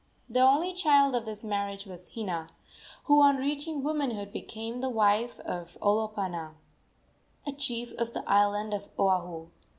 The only child of this marriage was Hina, who on reaching womanhood became the wife of Olopana, a chief of the island of Oahu.